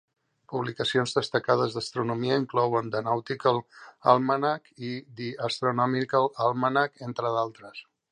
Publicacions destacades d'astronomia inclouen "The Nautical Almanac" i "The Astronomical Almanac" entre d'altres.